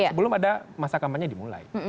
sebelum ada masa kampanye dimulai